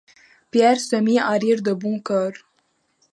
Pierre se mit à rire de bon cœur.